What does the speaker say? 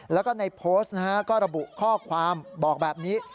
แล้วก็ในโพสต์นะฮะก็ระบุข้อความบอกแบบนี้